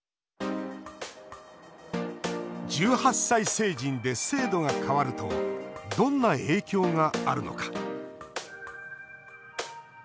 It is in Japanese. １８歳成人で制度が変わるとどんな影響があるのか。